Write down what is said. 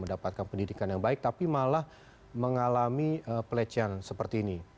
mendapatkan pendidikan yang baik tapi malah mengalami pelecehan seperti ini